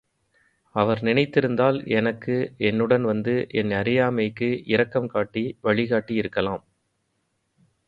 அவர் நினைத்திருந்தால் எனக்கு என்னுடன் வந்து என் அறியாமைக்கு இரக்கம் காட்டி வழி காட்டி இருக்கலாம்.